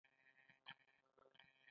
بامیان ملي پارک دی